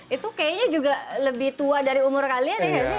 itu kayaknya juga lebih tua dari umur kalian ya